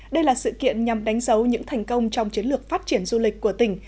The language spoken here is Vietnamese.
đây là sự kiện nhằm đánh dấu những thành công trong chiến lược phát triển du lịch của tỉnh